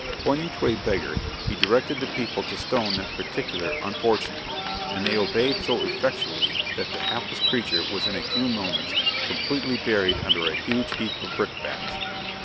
Pointing to a beggar, he directed the people to stone that particular unfortunate, and they obeyed so effectually, that the hapless creature was in a few moments completely buried under a huge heap of brickbats.